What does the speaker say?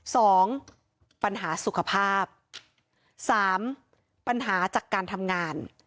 สองปัญหาสุขภาพสามปัญหาจากการทำงาน